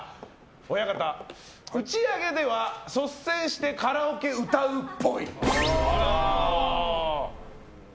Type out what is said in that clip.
親方、打ち上げでは率先してカラオケ歌うっぽい。